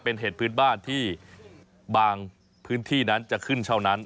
เป็นเหตุพื้นบ้านที่บางพื้นที่นั้นจะขึ้นเท่านั้น